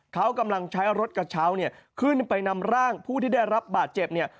เขากำลังใช้รถกระเช้าเนี่ยขึ้นไปนำร่างผู้ที่ได้รับบาดเจ็บเนี่ย